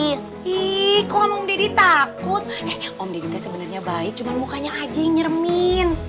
ih kok om deddy takut eh om deddy tuh sebenarnya baik cuma mukanya aja yang nyermin